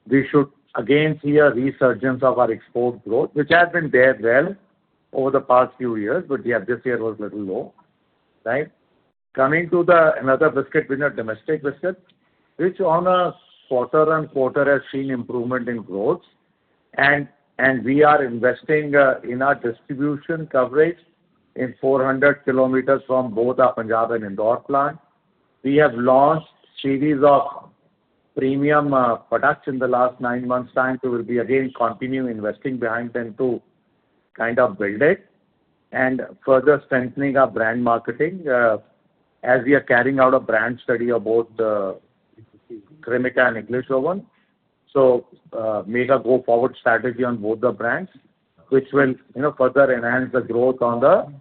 we should again see a resurgence of our export growth, which has been there well over the past few years, but yeah, this year was little low, right? Coming to another biscuit winner, domestic biscuit, which on a quarter-on-quarter has seen improvement in growth. And we are investing in our distribution coverage in 400 km from both our Punjab and Indore plant. We have launched series of premium products in the last nine months' time, so we'll be again continue investing behind them to kind of build it and further strengthening our brand marketing, as we are carrying out a brand study about Cremica and English Oven. So make a go-forward strategy on both the brands, which will, you know, further enhance the growth on the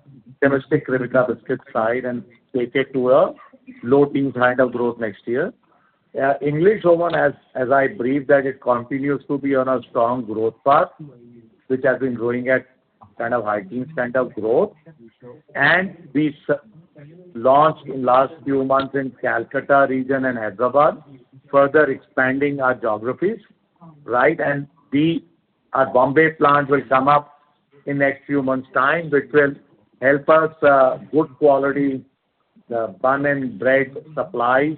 domestic Cremica biscuit side and take it to a low-teen kind of growth next year. English Oven, as I briefed that it continues to be on a strong growth path, which has been growing at kind of high-teen kind of growth. And we launched in last few months in Kolkata region and Hyderabad, further expanding our geographies, right? Our Mumbai plant will come up in next few months' time, which will help us, good quality, bun and bread supply.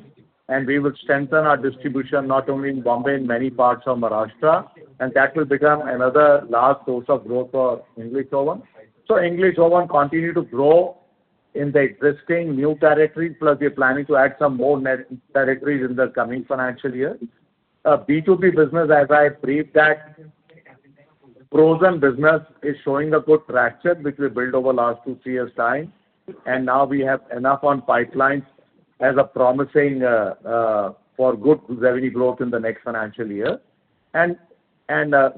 We will strengthen our distribution not only in Mumbai, in many parts of Maharashtra, and that will become another large source of growth for English Oven. English Oven continues to grow in the existing new territories, plus we're planning to add some more net territories in the coming financial year. B2B business, as I briefed that, frozen business is showing a good traction, which we built over last two, three years' time, and now we have enough on pipelines as a promising, for good revenue growth in the next financial year. QSRs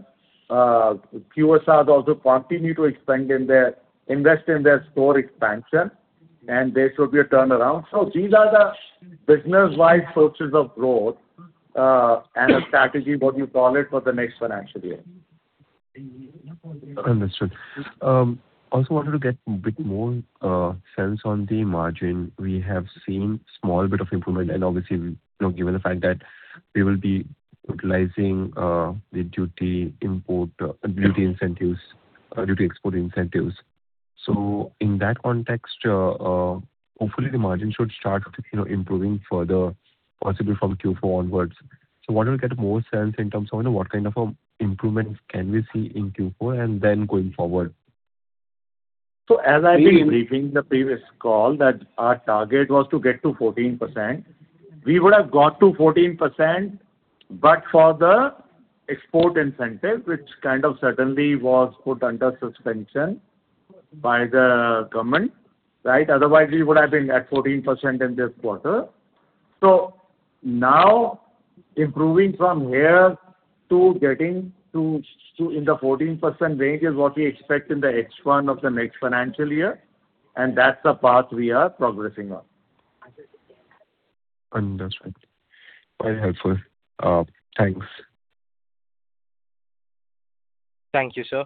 also continue to expand in their-- invest in their store expansion, and there should be a turnaround. So these are the business-wide sources of growth, and a strategy, what you call it, for the next financial year. Understood. Also wanted to get a bit more sense on the margin. We have seen small bit of improvement and obviously, you know, given the fact that we will be utilizing the duty import, duty incentives, duty export incentives. So in that context, hopefully, the margin should start, you know, improving further, possibly from Q4 onwards. So wanted to get more sense in terms of, you know, what kind of improvements can we see in Q4 and then going forward? So as I've been briefing the previous call, that our target was to get to 14%. We would have got to 14%, but for the export incentive, which kind of suddenly was put under suspension by the government, right? Otherwise, we would have been at 14% in this quarter. So now, improving from here to getting to, to in the 14% range is what we expect in the H1 of the next financial year, and that's the path we are progressing on. Understood. Very helpful. Thanks. Thank you, sir.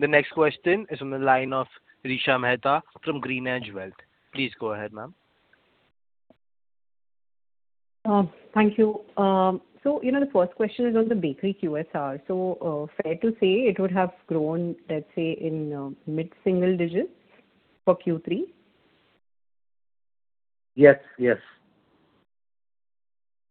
The next question is on the line of Resha Mehta from GreenEdge Wealth. Please go ahead, ma'am. Thank you. So, you know, the first question is on the bakery QSR. So, fair to say it would have grown, let's say, in mid-single digits for Q3? Yes, yes.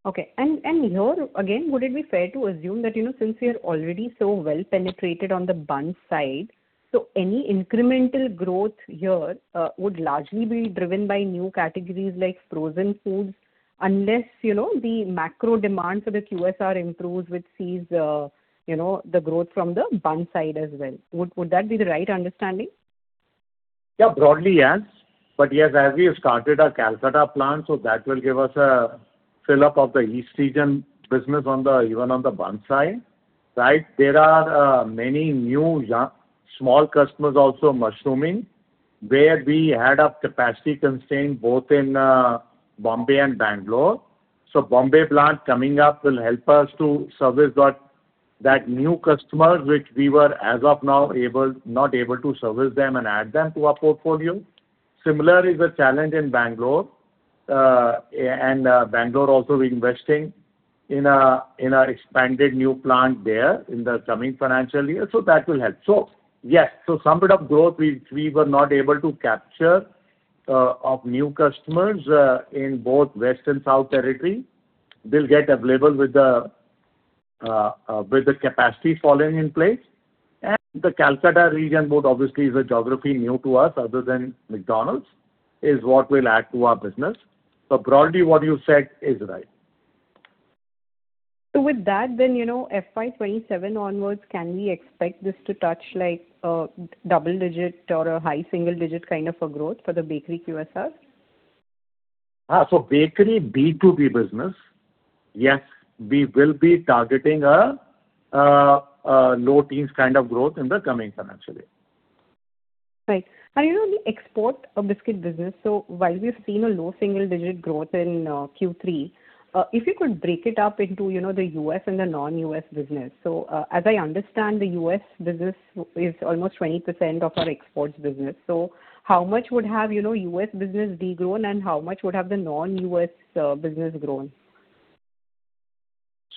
Okay. And here, again, would it be fair to assume that, you know, since we are already so well penetrated on the bun side, so any incremental growth here, would largely be driven by new categories like frozen foods, unless, you know, the macro demand for the QSR improves, which sees, you know, the growth from the bun side as well? Would that be the right understanding? Yeah, broadly, yes. But yes, as we have started our Kolkata plant, so that will give us a fill-up of the east region business on the, even on the bun side, right? There are many new small customers also mushrooming, where we had a capacity constraint both in Mumbai and Bangalore. So Mumbai plant coming up will help us to service that new customer, which we were, as of now, not able to service them and add them to our portfolio. Similar is a challenge in Bangalore, and Bangalore also we're investing in a expanded new plant there in the coming financial year, so that will help. So yes, so some bit of growth we were not able to capture of new customers in both west and south territory. They'll get available with the capacity falling in place. And the Kolkata region, both obviously, is a geography new to us, other than McDonald's, is what will add to our business. So broadly, what you said is right. So with that, then, you know, FY 2027 onwards, can we expect this to touch like a double digit or a high single digit kind of a growth for the bakery QSR? Bakery B2B business, yes, we will be targeting a low-teens kind of growth in the coming financial year.... Right. You know, the export of biscuit business, so while we've seen a low single-digit growth in Q3, if you could break it up into, you know, the U.S. and the non-U.S. business. So, as I understand, the U.S. business is almost 20% of our exports business. So how much would have, you know, U.S. business de-grown, and how much would have the non-U.S. business grown?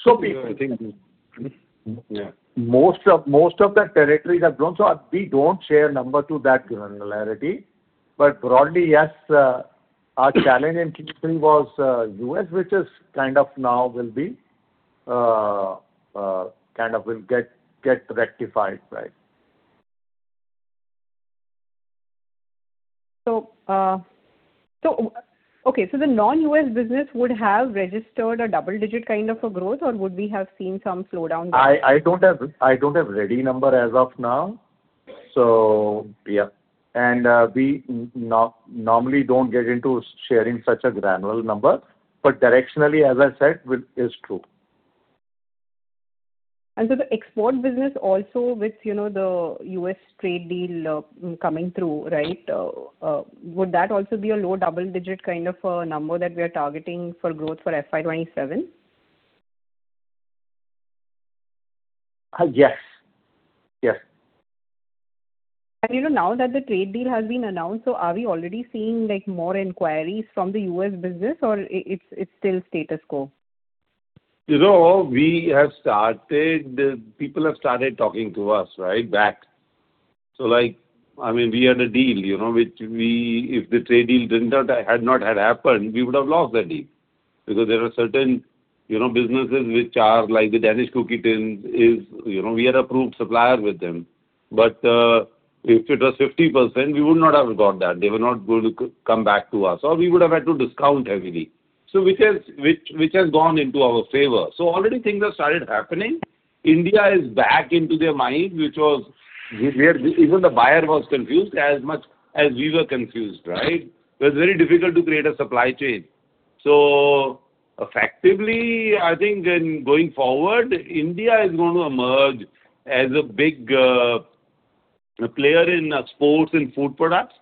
So we- I think, yeah. Most of the territories have grown, so we don't share numbers to that granularity. But broadly, yes, our challenge in Q3 was U.S., which is kind of now will be kind of will get rectified, right? So, okay, so the non-U.S. business would have registered a double-digit kind of a growth, or would we have seen some slowdown there? I don't have a ready number as of now. So, yeah. And we normally don't get into sharing such a granular number, but directionally, as I said, what is true. And so the export business also with, you know, the U.S. trade deal, coming through, right? Would that also be a low double-digit kind of a number that we are targeting for growth for FY 2027? Yes. Yes. You know, now that the trade deal has been announced, so are we already seeing, like, more inquiries from the U.S. business, or it's still status quo? You know, we have started, the people have started talking to us, right, back. So like, I mean, we had a deal, you know, which we-- if the trade deal did not, had not had happened, we would have lost that deal. Because there are certain, you know, businesses which are like the Danish cookie tins; you know, we are approved supplier with them. But, if it was 50%, we would not have got that. They were not going to come back to us, or we would have had to discount heavily. So which has, which has gone into our favor. So already things have started happening. India is back into their mind, which was, we, we are... Even the buyer was confused as much as we were confused, right? It was very difficult to create a supply chain. So effectively, I think in going forward, India is going to emerge as a big player in exports and food products,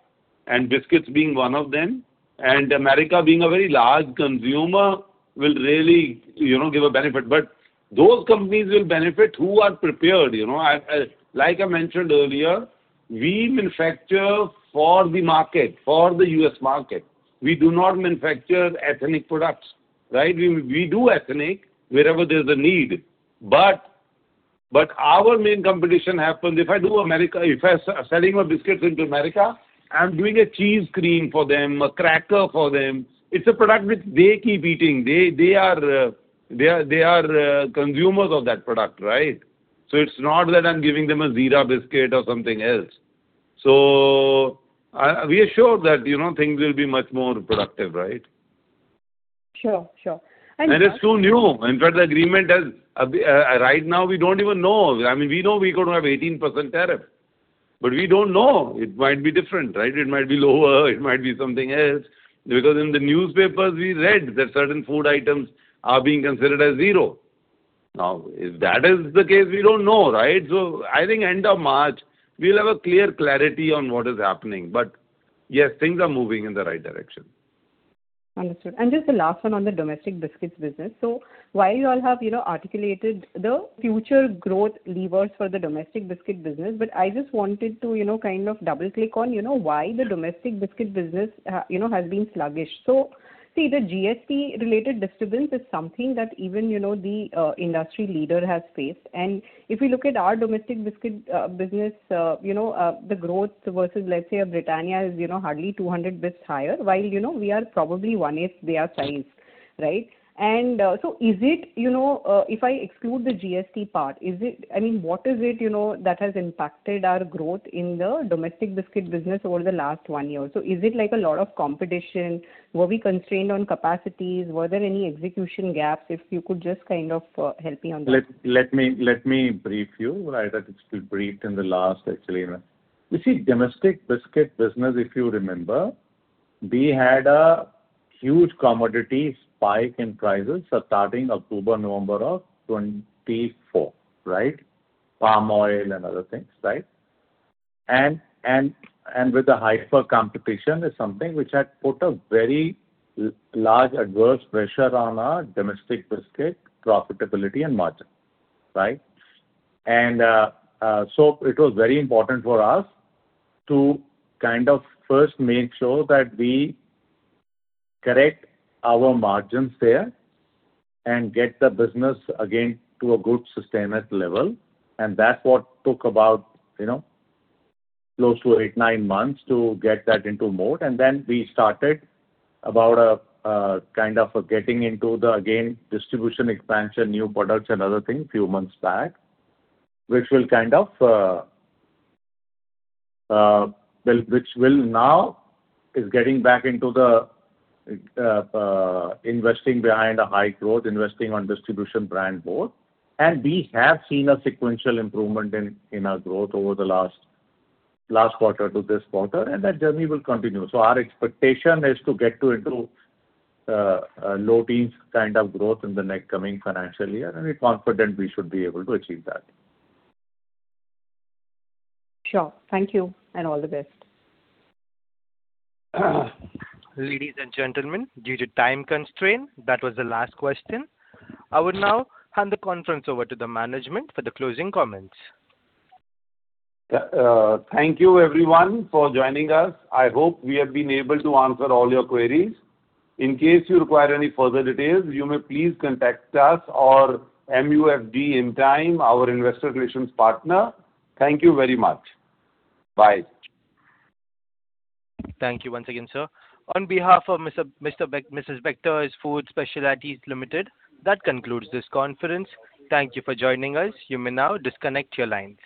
and biscuits being one of them. And America being a very large consumer will really, you know, give a benefit. But those companies will benefit who are prepared, you know. I, like I mentioned earlier, we manufacture for the market, for the U.S. market. We do not manufacture ethnic products, right? We do ethnic wherever there's a need, but our main competition happens if I do America, if I selling my biscuits into America, I'm doing a cheese cream for them, a cracker for them. It's a product which they keep eating. They are consumers of that product, right? So it's not that I'm giving them a Jeera biscuit or something else. I, we are sure that, you know, things will be much more productive, right? Sure. Sure. It's so new. In fact, the agreement has, right now, we don't even know. I mean, we know we got to have 18% tariff, but we don't know. It might be different, right? It might be lower, it might be something else, because in the newspapers we read that certain food items are being considered as 0%. Now, if that is the case, we don't know, right? So I think end of March, we'll have a clear clarity on what is happening. But yes, things are moving in the right direction. Understood. Just the last one on the domestic biscuits business. While you all have, you know, articulated the future growth levers for the domestic biscuit business, but I just wanted to, you know, kind of double-click on, you know, why the domestic biscuit business, you know, has been sluggish. See, the GST-related disturbance is something that even, you know, the industry leader has faced. If you look at our domestic biscuit business, you know, the growth versus, let's say, Britannia is, you know, hardly 200 basis points higher, while, you know, we are probably 1/8 their size, right? So is it, you know, if I exclude the GST part, is it... I mean, what is it, you know, that has impacted our growth in the domestic biscuit business over the last one year? So is it like a lot of competition? Were we constrained on capacities? Were there any execution gaps? If you could just kind of help me on that. Let me brief you, right? I just briefed in the last, actually. You see, domestic biscuit business, if you remember, we had a huge commodity spike in prices starting October, November of 2024, right? Palm oil and other things, right? And with the hyper competition is something which had put a very large adverse pressure on our domestic biscuit profitability and margin, right? So it was very important for us to kind of first make sure that we correct our margins there and get the business again to a good sustained level, and that's what took about, you know, close to eight-nine months to get that into mode. Then we started about kind of getting into the, again, distribution expansion, new products and other things few months back, which will kind of which will now is getting back into the investing behind a high growth, investing on distribution brand board. We have seen a sequential improvement in our growth over the last quarter to this quarter, and that journey will continue. Our expectation is to get to into low teens kind of growth in the next coming financial year, and we're confident we should be able to achieve that. Sure. Thank you, and all the best. Ladies and gentlemen, due to time constraint, that was the last question. I would now hand the conference over to the management for the closing comments. Thank you everyone for joining us. I hope we have been able to answer all your queries. In case you require any further details, you may please contact us or MUFG in time, our investor relations partner. Thank you very much. Bye. Thank you once again, sir. On behalf of Mrs. Bectors Food Specialities Limited, that concludes this conference. Thank you for joining us. You may now disconnect your line.